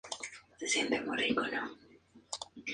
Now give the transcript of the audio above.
Se llevó a cabo en la Ciudadela y en el Château Frontenac.